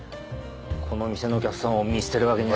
この店のお客さんを見捨てるわけには。